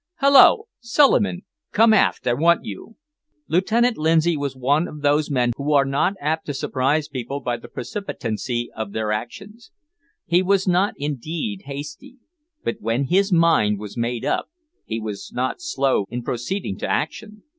Hallo! Suliman, come aft, I want you." Lieutenant Lindsay was one of those men who are apt to surprise people by the precipitancy of their actions. He was not, indeed, hasty; but when his mind was made up he was not slow in proceeding to action.